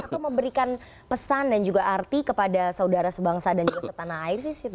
atau memberikan pesan dan juga arti kepada saudara sebangsa dan juga setanah air sih